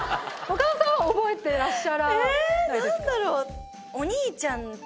岡田さんは覚えてらっしゃらないですか？